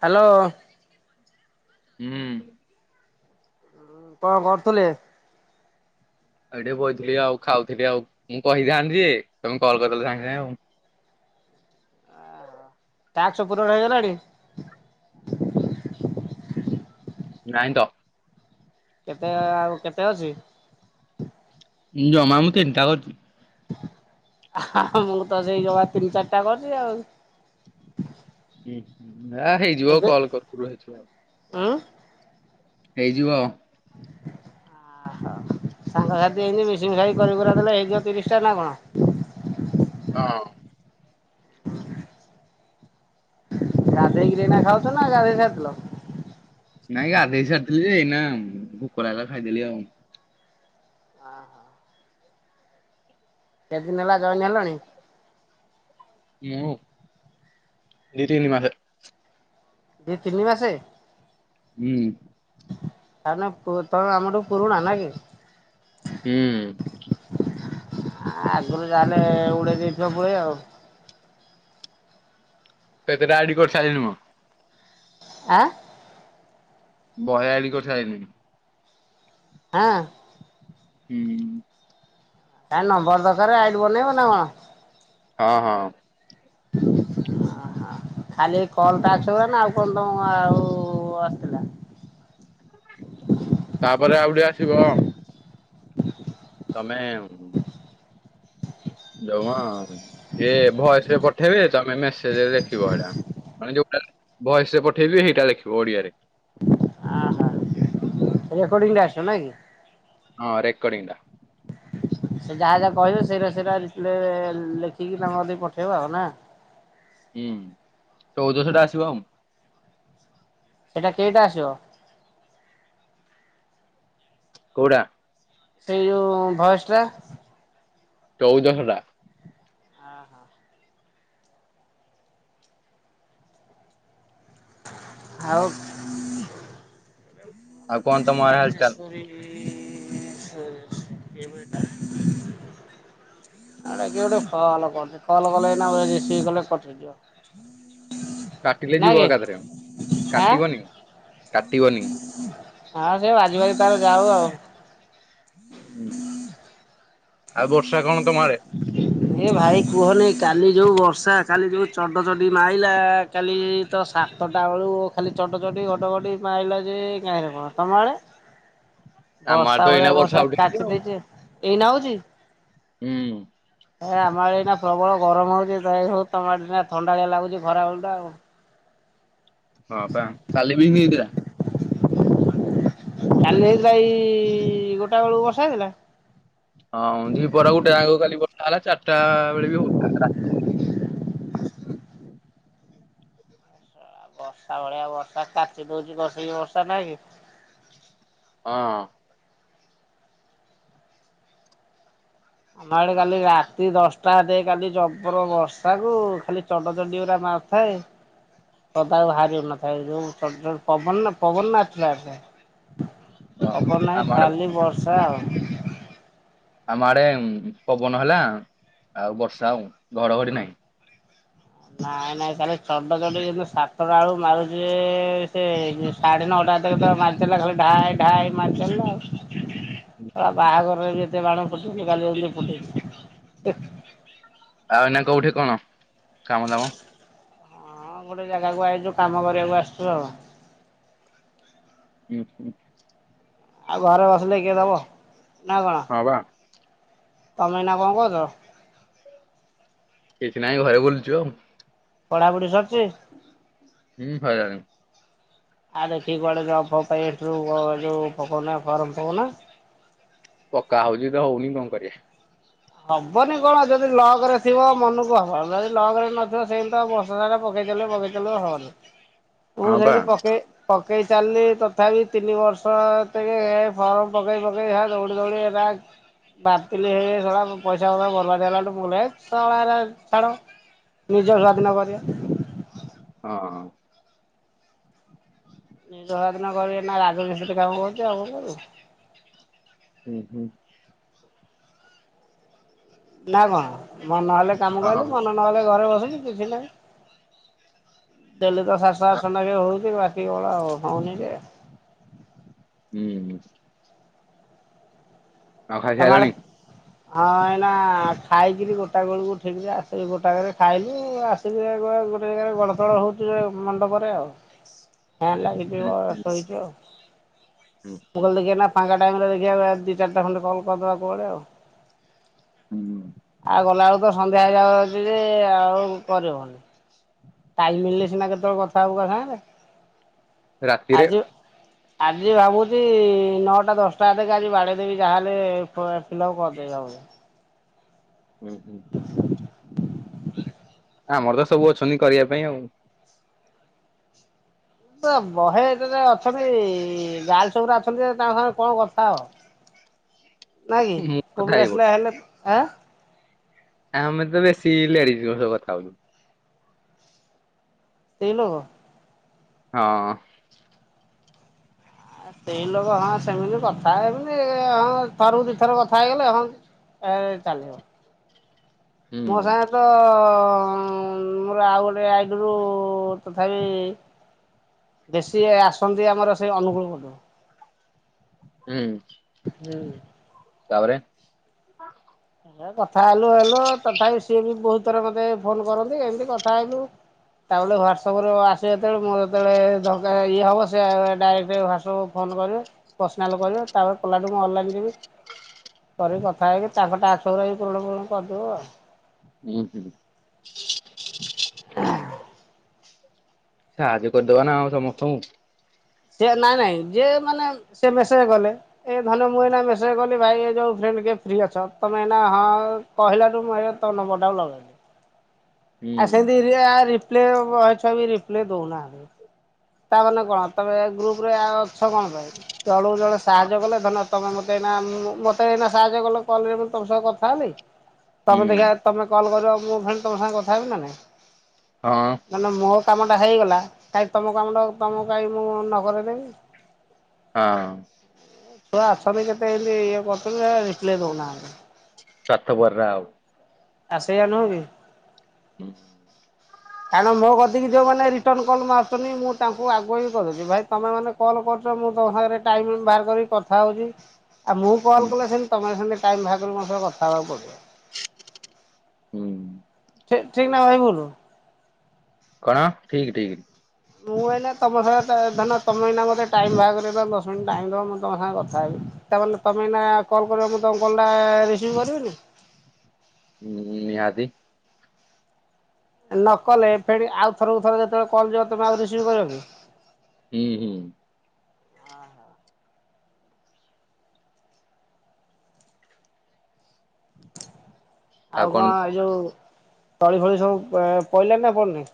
Hello! ହଁ। କଣ କରୁଥିଲେ? ଆଉ ଟିକେ ବଇଥିଲି ଆଉ ଖାଉଥିଲି ଆଉ ମୁଁ କହିଥାନ୍ତି ଯେ ତମେ କଲ କରିଦେଲେ ସାଙ୍ଗେ ସାଙ୍ଗେ ଆଉ। ଟାକ୍ସ ପୁରଣ ହେଇଗଲାଣି? ନାଇଁ ତ। କେତେ ଆଉ କେତେ ଅଛି? ଜମା ମୁଁ ତିନିଟା କରୁଛି। ଆମକୁ ତ ସେଇ ଜମା ତିନି ଚାରିଟା କରିଛି ଆଉ। ହେଇଯିବ ଆଉ କଲ କର ହେଇଯିବ। ଅଁ! ହେଇଯିବ ଆଉ। ସାଙ୍ଗସାଥି ହେଇ ମିଶି ମିଶା କରି କରିଦେଲେ ହେଇଯିବ ତିରିଶ ଟା ନା କଣ? ହଁ। [inaudible] ଗାଧୋଇକିରିନା ଏବେ ଖାଉଥିଲ ନା ଗାଧୋଇ ସାରିଥିଲ? ଏନା ଭୋକ ଲାଗିଲା ଖାଇଦେଲି ଆଉ। ହ ହୋ। କେତଦିନ ହେଲା ଯଏନେ ହେଲଣି? ମୁଁ ଦି ତିନି ମାସେ। ଦି ଦିନି ମାସେ! ହୁଁ। [unintelligible] ତମ ଆମଠୁ ପୁରୁଣା ନା କି? ହୁଁ। ଆଗରୁ ଯାହେଲେ ଉଡେଇ ଦେଇଥିବ ପୁଳେ ଆଉ। କେତେ ଟା ଆଇଡି କରିସାରିଲିଣୀ ମୁଁ। ଆଁ। ବହେ ଆଇଡି କରିସାରିଲେଣି। ହଁ। ହୁଁ। [unintelligible] ନମ୍ବର ଦରକାର ବନେଇବ ନା କଣ? ହଁ ହଁ। [inaudible] ଖାଲି କଲ ଟା ଅଛି ନା ଆଉ କଣ ତମ ଆଉ ଆସିଥିଲା? [inaudible] ତାପରେ ଆଉ ଗୋଟେ ଆସିବ। ତମେ ଜମା ସିଏ ଭଏସ ରେ ପଠେଇବେ ତମେ ମେସେଜରେ ଦେଖିବ ଏଇଟା ମାନେ ଯୋଉଟା ଭଏସ ରେ ପଠେଇବି ସେଇଟା ଲେଖିବ ଓଡିଆରେ ଆହୋ ରେକର୍ଡିଂ ଟା ଆସିବ ନାଇଁ କି? ହଁ ରେକୋର୍ଡିିଙ୍ଗଟା। [inaudible] ସେ ଯାହା ଯାହା କହିବେ ସେଇଟା ସେଇଟା ରିପ୍ଲେ ଲେଖିକି ତାଙ୍କ କତିକି ପଠେଇବ ଆଉ ନା? ହୁଁଚଉଦଶ ଟା ଆସିବ ଆଉ। ସେଟା କେଇଟା ଆସିବ? କୋଉଟା? ସେଇ ଯୋଉ ଭୟସଟା? ଚଉଦଶଟା। ଆଁ ହ। ଆଉ। ଆଉ କଣ ତମ ଆଡେ ହାଲଚାଲ? [unintelligible] ଆରେ କିଏ ଗୋଟେ ଫୋନ୍ କରୁଚି କଲ କଲେ ଏଇନା ରିସିଭ୍ କଲେ କଟିଯିବ। କାଟିଲେ ନାଇଁ ଯିବ କି ଏକାଥରେ ଆଁ କାଟିବନି କାଟିବନି। ହଁ ସେ ବାଜି ବାଜି ତାର ଯାଉ ଆଉ। ଆଉ ବର୍ଷା କଣ ତମ ଆଡେ? ଏ ଭାଇ କୁହନି କାଲି ଯୋଉ ବର୍ଷା କାଲି ଯୋଉ ଚଡ ଚଡି ମାରଲା କାଲି ତ ସାତଟା ବେଳୁ ଖାଲି ଚଡ ଚଡ଼ି ଘଡ଼ ଘଡ଼ି ମାଇଲା ଯେ କାହିଁ ରେ କଣ ତମ ଆଡେ? ଆମ ଆଡେ ବର୍ଷା ତ ଭଳିଆ ଏଇନା ବର୍ଷା ଉଠେଇଛି କାଚି ଆଉ। ଦେଇେଚି ଏଇନା ହଉଛି? ହୁଁ। ଏ ଆମ ଆଡେ ଏଇନା ପ୍ରବଳ ଗରମ ହଉଛି ଯାଇ ହଉ ତମ ଆଡେ ଥଣ୍ଡାଳିଆ ଲାଗୁଛି ଖରାବେଳଟା। ହଁ ପା କାଲି ବି ଏନ୍ତି ହେଇଥିଲା। କାଲି ହେଇଥିଲା ଏଇ ଗୋଟା ବେଳକୁ ବର୍ଷା ହେଇଥିଲା? ହଁ ଦିପହର ଗୋଟେ ଯାକ କାଲି ବା ଚାରିଟା ବେଳେ ବି ହଉଥିଲା। ବର୍ଷା ଭଳିଆ ବର୍ଷା କାଚି ଦଉଛି କସିକି ବର୍ଷା ନହିଁ କି? ହଁ। ଆମ ଆଡେ କାଲି ରାତି ଦଶଟା ଯାଏ କାଲି ଜବର ବର୍ଷା କୁ ଖାଲି ଚଡ ଚଡ଼ି ଗୁରା ମା ମାରୁଥାଏ। ପଦାକୁ ବହାରିହାଉନଥାଏ ଯୋଉ ପବନ ପବନ ନଥିଲା ଏତେ। ଓହୋ ପବନ ଆମ ନାହିଁ ଆଡେ ଖାଲି ବର୍ଷା ଆଉ। ଆମ ଆଡେ ପବନ ହେଲା ଆଉ ବର୍ଷା ଆଉ ଘଡଘଡି ନାହିଁ। ନାଇଁ ନାଇଁ ତାହେଲେ ଚଡ ଚଡି ଯେୁ ସାତଟା ବେଳୁ ମାରୁଛି ସେ ସାଢେ ନଅ ତା ଦେହରେ ତ ମାରି ଚାଲିଲା ଖାଲି ଢାଏ ଢାଏ ମାରି ଚାଲିଲା ଆଉ ବାହାଘରରେ ବି ଏତେ କେତେ ବାଣ ଫୁଟଉଚୁ କାଲି ଫୁଟେଇଛି ହେ। ଆଉ ଏୟିନା କୋଉଠି କଣ କାମ ଦାମ? ହଁ ଗୋଟେ ଜାଗାକୁ ଆଇଛୁ କାମ କରିବାକୁ ଆସିଛୁ ଆଉ। ହୁଁ ହୁଁ। ଆଉ ଘରେ ବସିଲେ କିଏ ଦବ ନା କଣ? ହଁ ବା ତମେ ଏୟିନା କଣ କରୁଛ? କିଛି ନାଇଁ ଘରେ ବୁଲଛୁ ଆଉ। ପଢାପଢ଼ି ସରିଛି? ହୁଁ ସଇଲାଣି। ଆ ଦେଖିକି କୁଆଡ଼େ ଜବ ଫବ ପାଇଁ ଇଂଟରଭିୟୁ ଯୋଉ ପକାଉନ ଫୋରମ ପକାଉନ। ହ ପକା ହଉଛି ତ ହଉନି କଣ କରିବା। ହବନି କଣ ଯଦି ଲକ୍ ରେ ଥିବ ମନକୁ ହବ ଯଦି ଲକ୍ ରେ ନଥିବ ସେମିତି ଆଉ ବର୍ଷ ସାରା ତ ପକେଇଲେ ପକେଇଲେ ହବନି ମୁଁ ହଁ ବା ସେମିତି ପକେଇ ପକ୍ ପକେଇ ଚାଲିଲି ତଥାପି ତିନି ବର୍ଷ ଫର୍ମ ପକେଇ ପକେଇ ଦୌଡ଼ି ଦୌଡ଼ି ହେରା ବାତିିଲ ହେଇ ହେଇ ଶଳା ପଇସା ପତ୍ର ବର୍ବାଦ ହେଲା ଠୁ ମୁଁ କହିଲି ହେତ ଶଳା ଏରା ଛାଡ। ନିଜ ସ୍ୱାଧୀନ କରିବା। ହଁ। ନିଜ ସ୍ୱାଧୀନରେ କରିକି ଏଇନା ରାଜମିସ୍ତ୍ରୀରେ କାମ କରୁଛି, ଆଉ କଣ କରିବି? ହୁଁ ହୁଁ। ନା କଣ? ମନ ହେଲେ କାମ ଓହୋ କଇଲୁ, ମନ ନହେଲେ ଘରେ ବସିଲୁ ଏ କିଛି ନାହିଁ, ଡେଲି ତ ସାତଶହ ଆଠଶହ ନେଖେ ହଉଛି ଦି ବେଳା ହ-ହଉନି ଯେ ହୁଁ। ଆଉ ଖାଇ ତମ ଆଡେ ସାଇଲଣି? ହଁ ଏଇନା ଖାଇକିରି ଗୋଟାଇ ବେଳକୁ ଠିକରେ ଆସିବି, ଗୋଟାକରେ ଖାଇଲି, ଆସିକି ଆକୁ ଆଉ ଗୋଟେ ଜାଗାରେ ଗଡତଡ଼ ହଉଛି ଯେ, ମଣ୍ଡପରେ ଆଉ। ଫ୍ୟାନ ଲାଗିଚି ହୁଁ ବ ହୁଁ ଶୋଇଚୁ ଆଉ। ମୁଁ କହିଲି ଦେଖିଆ ଏଇନା ଫାଙ୍ଗା ଟିକ ଟାଇମରେ ଦେଖିବାକୁ ଆଉ ଦି ଚାରିଟା ଖଣ୍ଡେ କଲ୍ କରିଦବା କୁଆଡ଼େ ଆଉ। ହୁଁ। ଆଉ ଗଲାବେଳକୁ ତ ସନ୍ଧ୍ୟା ହେଇ ଯାଉ ଅଛି ଆଉ କରିହଉନି। ଟାଇମ ମିଳିଲେ ସିନା, କେତେବେଳେ କଥା ହବୁ କାହା ସାଙ୍ଗରେ। ରାତିରେ? ଆଜି ଆଜି ଭାବୁଛି, ନଅଟା ଦଶଟା ହାତେ କେ ଆଜି ବାଡେଇଦେବି ଯାହାହେଲେ, ପି-ଫିଲଅପ ପକେଇଦବ। ହଁ। ହୁଁ ହୁଁ। ଆମର ତ ସବୁ ଅଛନ୍ତି କରିବା ପାଇଁ ଆଉ। ଏ ବହେ ଏତେ ଯେ ଅଛନ୍ତି, ଗାର୍ଲସ ଗୁରା ଅଛନ୍ତି ଯେ, ତାଙ୍କ ସାଙ୍ଗରେ କଣ କଥା ହବ? ନାଇଁ କି? ମୁଁ କଥା ପୁଅପିଲା ହେଇ ପଡେ ସିନା ହେଲେ ଆଁ ଆମେ ତ ବେଶୀ ଲେଡିଜଙ୍କ ସହ କଥା ହଉଛୁ। ସେଇ ଲୋକ? ହଁ। ଆ ସେଇ ଲୋକ ହଁ ସେମିତି କଥା ହେବି, ହଁ ଥରକୁ ଦି ଥର କଥା ହେଇଗଲେ ହଁ ଏ ଚାଲିବ। ହୁଁ ମୋ ସାଙ୍ଗେ ତ ତ, ମୋର ଆଉ ଗୋଟେ ଆଇଡିରୁ ତଥାପି ବେଶୀ ଆସନ୍ତି ଆମର ସେଇ ଅନୁଗୁଳ ପଟୁ। ହୁଁ। ହୁଁ। ତାପରେ ଏ କଥା ହେଲୁ ହେଲୁ, ତଥାପି ସିଏ ବି ବହୁତ ଥର ମତେ ଫୋନ କରନ୍ତି, ଏମତି କଥା ହେଲୁ ତା ବୋଲେ ହ୍ୱାଟସଆପରୁ ଆସିବେ ଯେତେବେଳେ, ମୁଁ ଯେତେବେଳେ ଦରକାର ଇଏ ହବ, ସିଏ ଡାଇରେକ୍ଟ ହ୍ଵାଟସଆପକୁ କଲ୍ ଫୋନ୍ କରିବେ, ପର୍ସନାଲ କରିବେ, ତାପରେ କଲାଠୁ ମୁଁ ଅନଲାଇନ୍ ଯିବି କରିିକି କଥା ହେଇକି, ତାଙ୍କ ଟାସ୍କ ଗୁରା ବି ପୂରଣ ଫୁରଣ କରିଦବୁ ଆଉ। ହୁଁ। ହାଁ, ସାହାଯ୍ୟ କରିଦବା ନା ଆଉ ସମସ୍ତଙ୍କୁ। ଯିଏ ନାଇଁ ନାଇଁ, ଯିଏ ମାନେ ସେ ମେସେଜ କଲେ, ଏ ଧନ ମୁଁ ଏଇନା ମେସେଜ କନି ଭାଇ ଏ ଯୋଉ ଫ୍ରେ ତମେ କେବେ ଫ୍ରି ଅଛ, ତମେ ଏଇନା ହଁ, କହିଲାଠୁ ମୁଁ ଏଇକା ତମ ନମ୍ୱରଟାକୁ ଲଗେଇଲିି। ହୁଁ ହଁ ସେନ୍ତି ହିରିକା ରିପ୍ଲେ, ବହେ ଛୁଆ ବି ରିପ୍ଲେ ଦଉନାହାଁନ୍ତି। ତାମାନେ କଣ ତମେ ଏ ଗ୍ରୁପରେ ଆ ଅଛ କଣ ପାଇଁ? ଜଣକୁ ଜଣେ ସାହାଯ୍ୟ କଲେ, ଧରି ନିଅ ତମେ ମତେ ଏଇନା ଉମ୍ ମତେ ଏଇନା ସାହାଯ୍ୟ କଲ, କଲରେ ମୁଁ ତମ ସହ କଥା ହେଲି ତମେ ହୁଁ ଦେଖିଆ ତମେ କଲ କରିବ ମୁଁ ଫୁଣି ତମ ସାଙ୍ଗେ କଥା ହେବି ନା ନାଇଁ। ହଁ ଧରି ନିଅ ମୋ କାମ ଟା ହେଇଗଲା, କାଇଁ ତମ କାମଟାକୁ ତମକୁ କାହିଁ ମୁଁ ନକରେଇଦେବି। ହଁ। ଛୁଆ ଅଛନ୍ତି କେତେ ଏନ୍ତି ଇଏ କରୁଛନ୍ତି, ରିପ୍ଲାଏ ଦଉନାହାଁନ୍ତି। ସ୍ୱାର୍ଥପରରା ଆଉ। ଆ ସେୟା ନୁହଁ କି? ହୁଁ। କାରଣ ମୋ କତିକି ଯୋଉମାନେ ରିଟର୍ଣ କଲ ମାରୁଛନ୍ତି ମୁଁ ତାଙ୍କୁ ଆଗୁଆ ବି କହିଦଉଛି ଭାଇ ତମେମାନେ କଲ୍ କରୁ ମୁଁ ତମ ସାଙ୍ଗରେ ଟାଇମ ବାହାର କରିକି କଥା ହଉଛି। ଆଉ ମୁଁ ହୁଁ କଲ୍ କଲେ ସେମତି ତମେ ସେମ ଟାଇମ ଭାର କରି ମୋ ସହ କଥା ହେବାକୁ ପଡିବ। ହୁଁ ଠିକ ନା ଭାଇ ଭୁଲ୍? କଣ ଠିକ ଠିକ। ମୁଁ ଅଇନା ତମ ସାଙ୍ଗେ ଧରନ ତମେଏନା ମୋତେ ଟାଇମ ବାହାର କରିଦବ ଦଶ ମିନିଟ୍ ଟାଇମ୍ ଦେବ ମୁଁ ତମ ସାଙ୍ଗେ କଥା ହେବି। ତାମାନେ ତମେ ଏଇନା କଲ୍ କର ମୁଁ ତମ କଲ ଟା ରିସିଭ କରିବିନି? ହୁଁ ନିହାତି? ନକଲେ ଫେଣି ଆଉଥରକୁ ଥର ଯେତେବେଳେ କଲ ଯିବ ତମେ ଆଉ ରିସିଭ କରିବ କି? ହୁଁ ହୁଁ। ଆଉ କଣ ଏଇ ଯୋଉ ତଳି ଫଳି ସବୁ ପଡିଲଣି ନା ପଡନି?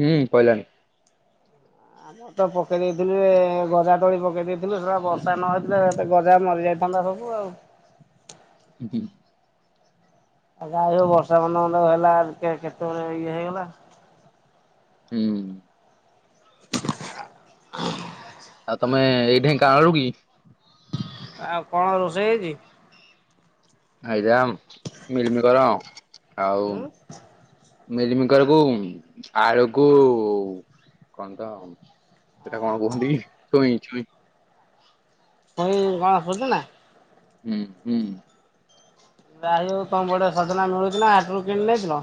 ହୁଁ ପାଇଲାଣି। ଆ ତ ପକେଇ ଦେଇଥିଲି ଗଜା ତୋଳି ପକେଇ ଦେଇେଇଥିଲୁ ସେଟା ବର୍ଷା ନ ହେେଇଥିଲା ଗଜା ମରିଯାଇ ଥାନ୍ତା ସବୁ ଆଉ। ହୁଁ ହୁଁ। ଆ ଯାଇ ହଉ ବର୍ଷା ମୁନ୍ଦେ ମୁନ୍ଦେ ହେଲା କେତେବେଳେ ଇଏ ହେଇଗଲା। ହୁଁ। [unintelligible] ଆଉ ତମେ ଏଇଁ ଢେଙ୍କାନାଳୁ କି? ଆଉ କଣ ରୋଷେଇ ହେଇଛି? ହେଇରାଆଉ ମିଲିମିକର ଆଉ ଉଁ ମେଲିମିକର କୁ ଆଳୁକୁ କଣ ତ ସେଇଟା କଣ କୁହନ୍ତି ଛୁଇଁ ଛୁଇଁ। ଛୁଇଁ କଣ ସୁଜୁନା? ହୁଁ ହୁଁ। ଯାହି ହଉ ତମେ ପଟେ ସଜନା ମିଳୁଛି ନା ହାଟରୁ କିଣି ନେଇଥିଲ?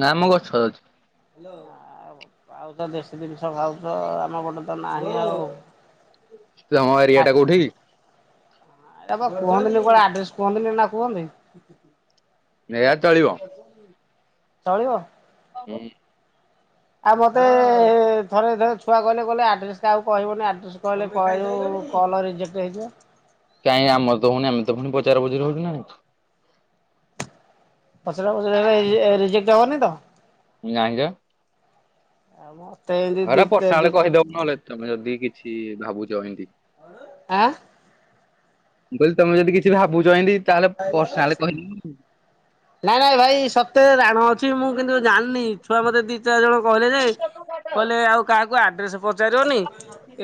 ନା ଆମ ଗଛ ଅଛି। ପାଉଛ ଦେଶୀ ଜିନିଷ ଖାଉଛ ଆମ ଗୋଟେ ତ ନାହିଁ ଆଉ? ତମ ଏରିଆ ଟା କୋଉଠିକି? ଏଟା ପା କୁହନ୍ତିନି କଆଡେ ଆଡ୍ରେସ କୁହନ୍ତିନି ନା କୁହନ୍ତି? ଏୟା ଚଳିବ ଚଳିବ। ହୁଁ। ଆଉ ମତେ ଥରେ ଦିଥରେ ଛୁଆ କହିଲେ କହିଲେ ଆଡ୍ରେସ କାହାକୁ କହିବନି ଆଡ୍ରେସ କହିଲେ କଆଡୁଉ କଲ ରିଜେକ୍ଟ ହେଇଯିବ। କାଇଁ ଆମର ତ ହୋଉନି ଆମେ ତ ଫୁଣି ପଚରା ପଚରି ହୋଉଚୁ ନା ନାଇଁ। ପଚରା ପଚୁରି ହେଲେ ଇ ଏ ରିଜେକ୍ଟ ହବନି ତ? ନାହିଁତ। ଆମର ଘର ପର୍ସନାଲ କହିଦବ ନହେଲେ ତମେ ଯଦି କିଛି ଭାବୁଛ ଏମତି। ଆଁ। ମୁଁ କହିଲି ତମେ ଜଦି କିଛି ଭାବୁଛ ଏନ୍ତି ନାଇଁ ନାଇଁ ଭାଇ ସତେରେ ରା ଣ ଅଛି ମୁଁ କିନ୍ତୁ ଜାନି ଛୁଆ ମତେ ଦି ଚାରି ଜଣ କହିଲେ ଯେ କହିଲେ ଆଉ କାହାକୁ ଆଡ୍ରେସ ପଚାରିଅନି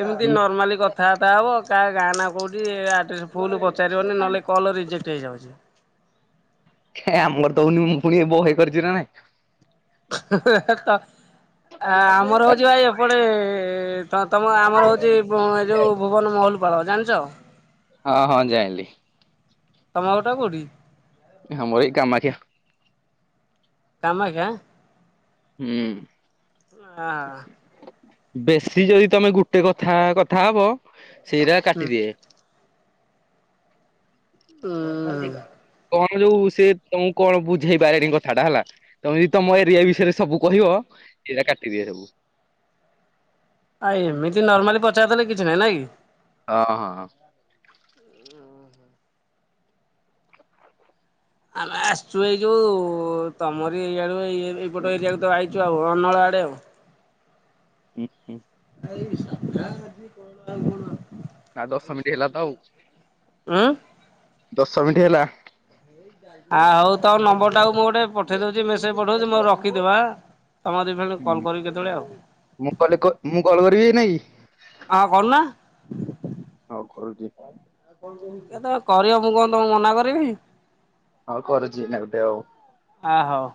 ଏମିତି ନର୍ମାଲି କଥାଆର୍ତ୍ତା ହବ କାହା ତାନା କୋଉଚି ଆଡ୍ରେସ ଫୁଲ ପଚାରିବନି ନହେଲେ କଲ ରିଜେକ୍ଟ ହେଇଯାଉଛି। ଏ ଆମ ର ହୋଉନି ମୁଁ ଫୁଣି ଏ ବହେ କରିଚି ନା ନାଇଁ। ତ ଆମର ହଉଛି ଭାଇ ଏପଟେ ତ ତମ ଆମର ହୋଉଚି ଏ ଯୋଉ ଭୁବନ ମହୁଲପାଳ ଜାଣିଚ? ହଁ ହଁ ଯାଇଁଲି। ତମ ଅରଟା କୋଉଠି? ଆମର ଏଇ କାମାକ୍ଷା। କାମାଖା। ହୁଁ। ଆ ବେଶୀ ଯଦି ତମେ ଗୁଟେ କଥା, କଥା ହବ। ସେଇରା ହୁଁ କାଟିଦିଏ। ହୁଁ। ତମେ ଯୋଉ, ସେ ତମକୁ କଣ ବୁଝେଇ ବାରେଣୀ କଥା ଟା ହେଲା, ତମେ ବି ତମ ଏରିଆ ବିଷୟରେ ସବୁ କହିବ! ଏରା କାଟିିଦିଏ ସବୁ। ଆ ଏମିତି ନର୍ମାଲି ପଚାର ଦେଲେ କିଛି ନାଇଁ! ନାଇ। ହଁ ହଁ ହଁ। ଆମେ ଆସଛୁ! ଏଇ ଯୋଉ, ତମରି ଏଇଆଡୁ ଏଇ ଏଇପଟ ଏରିଆ କୁ ତ ଆଇଚୁ ଆଉ। ଅନଳା ଆଡ଼େହବ। ଉୁଁ, ହୁଁ। ଭାଇ, ସାଧା ଆଜି କଣ ଆଉ କଣ? ଆଉ ଦଶ ମିନିଟ୍ ହେଲା ତ ଆଉ। ଉଁ? ଦଶ ମିଣ୍ଟି ହେଲା। ଆ, ହଉ ତମ ନମ୍ବର ଟାକୁ ମୁଁ ଗୋଟେ ପଠେଇ ଦୋଉଚି, ମେସେଜ ପଠଉଛି। ମୋର ରଖିଥିବ ଆଁ। ତମ କତିକି ଫେଣ କଲ୍ କରିବି, କେତେବେଳେ ଆଉ? ମୁଁ କଲେ ମୁଁ କଲ୍ କରିବି ଏଇନା କି? ଆଁ କରୁନା। ହଉ କରୁଚି। କେତେଳେ କରିବ! ମୁଁ କଣ ତମକୁ ମନା କରିବି? ଆଉ କରୁଚି, ଏଇନା ଗୁଟେ ଆଉ। ଆ ହଉ